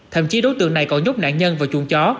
thậm chí đối tượng này còn nhút nạn nhân vào chuồng chó